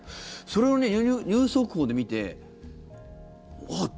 それをニュース速報で見ておっ！